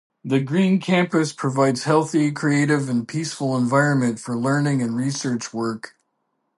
The green campus provides healthy, creative and peaceful environment for learning and research work.